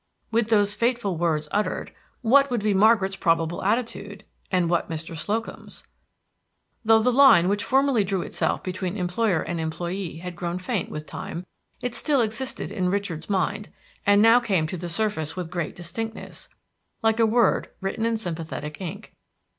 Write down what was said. With those fateful words uttered, what would be Margaret's probable attitude, and what Mr. Slocum's? Though the line which formerly drew itself between employer and employee had grown faint with time, it still existed in Richard's mind, and now came to the surface with great distinctness, like a word written in sympathetic ink.